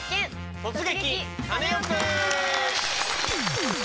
「突撃！